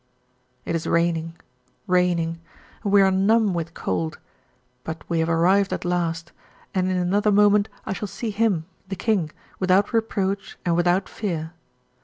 It is raining, raining, and we are numb with cold, but we have arrived at last, and in another moment I shall see him, the King, without reproach and without fear.